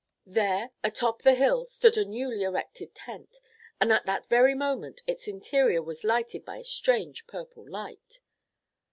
There, atop the hill, stood a newly erected tent, and at that very moment its interior was lighted by a strange purple light.